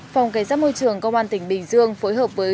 phòng cảnh sát môi trường công an tỉnh bình dương phối hợp với